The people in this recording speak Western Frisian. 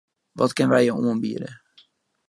Wat kinne wy jo oanbiede?